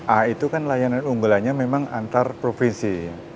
a itu kan layanan unggulannya memang antar provinsi